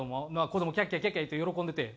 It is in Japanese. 子ども「キャッキャキャッキャ」言って喜んでて。